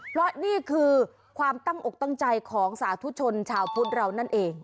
เพราะนี่คือความตั้งอกตั้งใจของสาธุชนชาวพุทธเรานั่นเอง